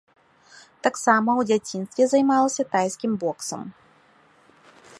Таксама ў дзяцінстве займалася тайскім боксам.